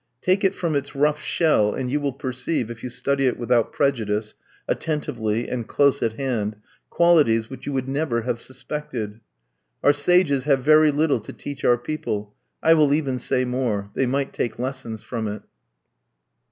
Take it from its rough shell, and you will perceive, if you study it without prejudice, attentively, and close at hand, qualities which you would never have suspected. Our sages have very little to teach our people. I will even say more; they might take lessons from it.